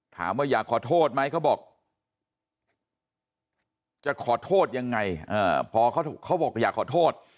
ถามว่าอยากขอโทษไหมเขาบอกจะขอโทษยังไงพอเขาบอกอยากขอโทษ